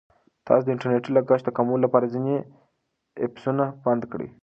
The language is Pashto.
تاسو د انټرنیټ د لګښت د کمولو لپاره ځینې ایپسونه بند کړئ.